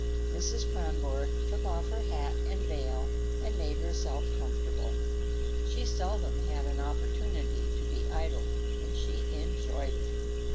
Mrs. Kronborg took off her hat and veil and made herself comfortable. She seldom had an opportunity to be idle, and she enjoyed it.